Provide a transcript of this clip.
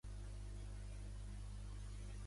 Els efectors executen una resposta.